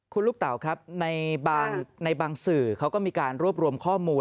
คุณลูกเต๋าครับในบางสื่อเขาก็มีการรวบรวมข้อมูล